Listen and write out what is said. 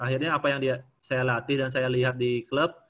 akhirnya apa yang saya latih dan saya lihat di klub